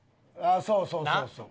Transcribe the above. そうそうそうそう。